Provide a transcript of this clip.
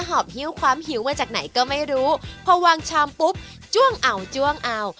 หอบฮิ้วความหิวมาจากไหนก็ไม่รู้พอวางชามปุ๊บจ้วงเอาจ้วงเอา